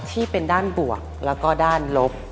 ที่เป็นด้านบวกแล้วก็ด้านลบ